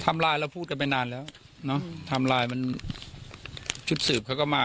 ไลน์เราพูดกันไปนานแล้วเนอะทำลายมันชุดสืบเขาก็มา